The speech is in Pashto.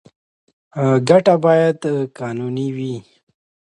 ګټه باید قانوني وي.